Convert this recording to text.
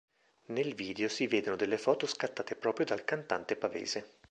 Nel video si vedono delle foto scattate proprio dal cantante pavese.